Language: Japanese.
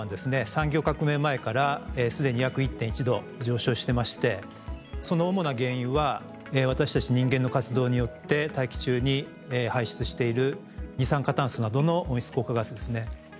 産業革命前からすでに約１．１℃上昇してましてその主な原因は私たち人間の活動によって大気中に排出している二酸化炭素などの温室効果ガスですね。